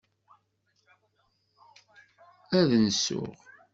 Ad nsuɣ.